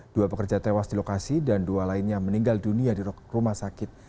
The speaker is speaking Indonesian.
dua pekerja tewas di lokasi dan dua lainnya meninggal dunia di rumah sakit